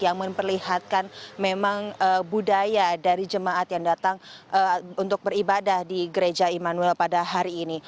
yang memperlihatkan memang budaya dari jemaat yang datang untuk beribadah di gereja immanuel pada hari ini